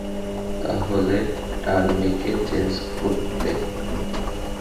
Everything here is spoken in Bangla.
তাহলে টার্মেকে চেঞ্জ করতে।